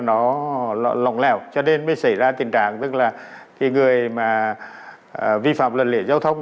nó lỏng lẻo cho nên mới xảy ra tình trạng tức là người mà vi phạm luận lễ giao thông